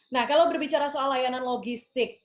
nah kalau berbicara soal layanan logistik